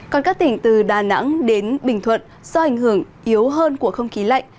còn các tỉnh từ đà nẵng đến bình thuận do ảnh hưởng yếu hơn của không khí lạnh